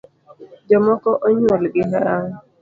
Jomoko onyuol gi hawi